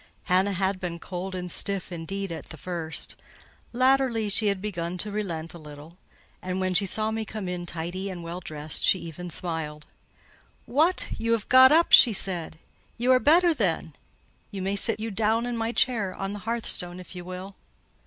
Hannah had been cold and stiff, indeed, at the first: latterly she had begun to relent a little; and when she saw me come in tidy and well dressed, she even smiled. "What, you have got up!" she said. "You are better, then. You may sit you down in my chair on the hearthstone, if you will."